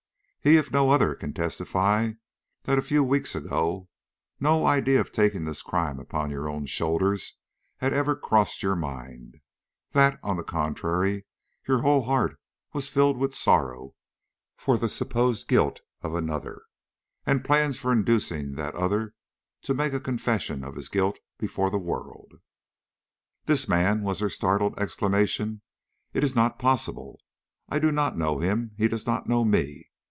He if no other can testify that a few weeks ago, no idea of taking this crime upon your own shoulders had ever crossed your mind; that, on the contrary, your whole heart was filled with sorrow for the supposed guilt of another, and plans for inducing that other to make a confession of his guilt before the world." "This man!" was her startled exclamation. "It is not possible; I do not know him; he does not know me.